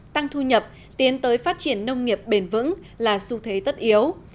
tăng thu nhập tiến tới phát triển nông nghiệp bền vững là xu thế tất yếu